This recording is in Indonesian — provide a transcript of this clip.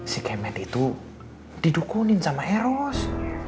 si kemet itu didukunin sama eros